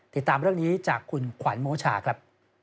ติดตามเรื่องนี้จากคุณขวัญโมชาครับ